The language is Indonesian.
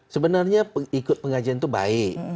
sebenarnya ikut pengajian itu baik